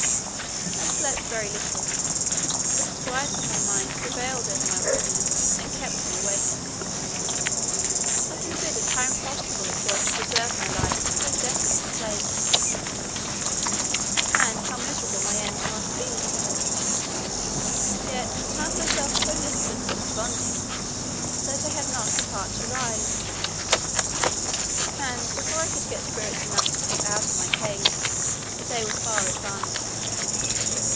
I slept very little, for the disquiets of my mind prevailed over my weariness, and kept me awake. I considered how impossible it was to preserve my life in so desolate a place, and how miserable my end must be: yet found myself so listless and desponding, that I had not the heart to rise; and before I could get spirits enough to creep out of my cave, the day was far advanced.